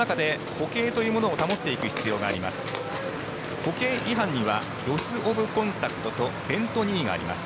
歩型違反にはロス・オブ・コンタクトとベント・ニーがあります。